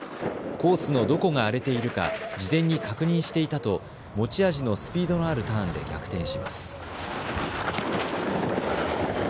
コースのどこが荒れているか事前に確認していたと持ち味のスピードのあるターンで逆転します。